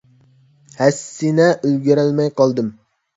ھەسسىنە، ئۈلگۈرەلمەي قالدىم.